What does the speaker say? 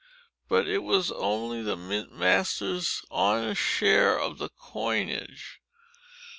But it was only the mint master's honest share of the coinage.